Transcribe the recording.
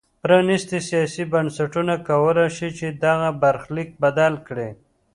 پرانیستي سیاسي بنسټونه کولای شي چې دغه برخلیک بدل کړي.